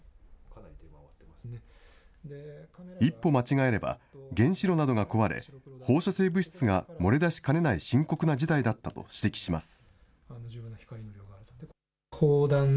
一歩間違えれば、原子炉などが壊れ、放射性物質が漏れだしかねない深刻な事態だったと指摘します。